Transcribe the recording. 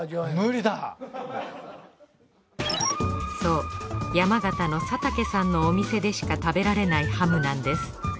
そう山形の佐竹さんのお店でしか食べられないハムなんです。